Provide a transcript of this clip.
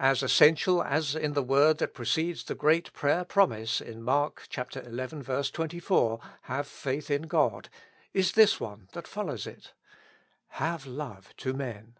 As essential as in the word that precedes the great prayer promise in Mark xi. 24, " Have faith in God," is this one that follows it, "Have love to men."